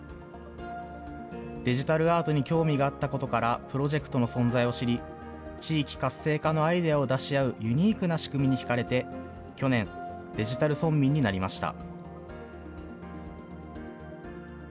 デジタルアートに興味があったことから、プロジェクトの存在を知り、地域活性化のアイデアを出し合うユニークな仕組みにひかれて、去年、デジタル村民になりました。